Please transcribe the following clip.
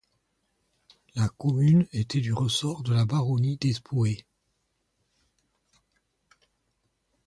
La commune était du ressort de la baronnie d'Espoey.